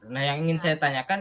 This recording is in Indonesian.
nah yang ingin saya tanyakan